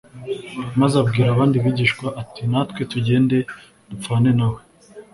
maze abwira abandi bigishwa, ati : «natwe tugende dupfane na we.»